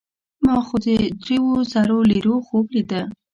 ما خو د دریو زرو لیرو خوب لیده.